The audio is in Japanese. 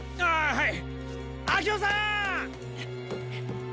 はい。